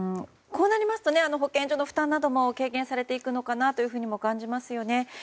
こうなりますと保健所の負担なども軽減されていくのかなとも感じますよね。